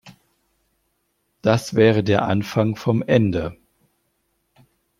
Das wäre der Anfang vom Ende.